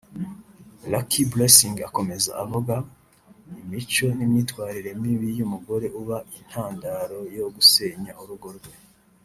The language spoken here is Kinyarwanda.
Lucky Blessing akomeza avuga imico n’imyitwarire mibi y’umugore uba intandaro yo gusenya urugo rwe